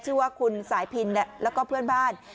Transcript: ชื่อว่าคุณสายพินแล้วก็เพื่อนบ้าน